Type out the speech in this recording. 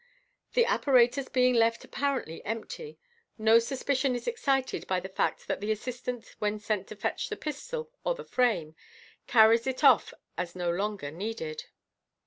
The apparatus being left apparently empty, no suspicion is excited by the fact that the assistant, when sent to fetch the pistol or the frame, carries it off as no longer needed.